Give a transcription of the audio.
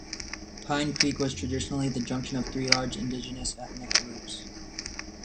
Pine Creek was traditionally the junction of three large indigenous ethnic groups.